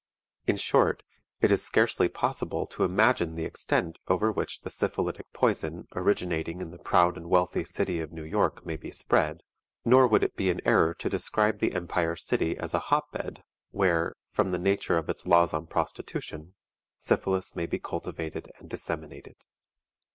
In short, it is scarcely possible to imagine the extent over which the syphilitic poison originating in the proud and wealthy city of New York may be spread, nor would it be an error to describe the Empire City as a hot bed where, from the nature of its laws on prostitution, syphilis may be cultivated and disseminated.